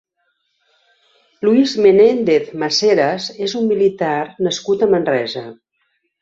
Luís Menéndez Maseras és un militar nascut a Manresa.